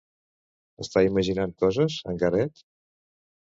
Està imaginant coses, en Garet?